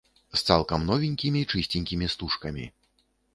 З цалкам новенькімі, чысценькімі стужкамі.